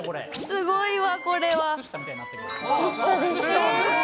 すごいわ、これは。